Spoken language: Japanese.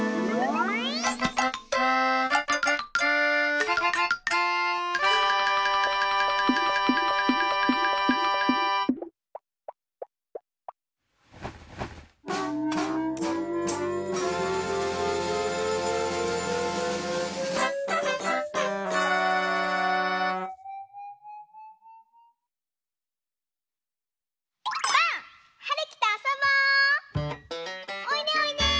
おいでおいで！